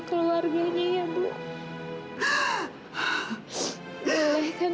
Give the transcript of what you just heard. kamu berdiri mila